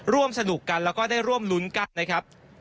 ร่วมสนุกกันแล้วก็ได้ร่วมรุ้นกันนะครับ